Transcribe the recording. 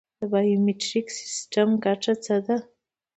د بایومتریک سیستم ګټه څه ده؟